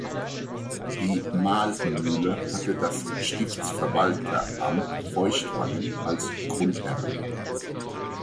Die Mahlmühle hatte das Stiftsverwalteramt Feuchtwangen als Grundherrn.